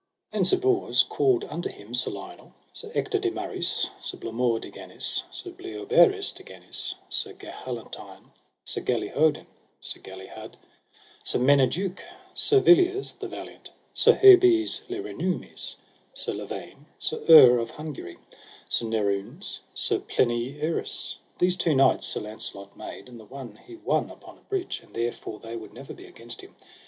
Then Sir Bors called unto him Sir Lionel, Sir Ector de Maris, Sir Blamore de Ganis, Sir Bleoberis de Ganis, Sir Gahalantine, Sir Galihodin, Sir Galihud, Sir Menadeuke Sir Villiers the Valiant, Sir Hebes le Renoumes, Sir Lavaine Sir Urre of Hungary, Sir Nerounes, Sir Plenorius. These two knights Sir Launcelot made, and the one he won upon a bridge, and therefore they would never be against him.